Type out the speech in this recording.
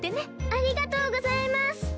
ありがとうございます。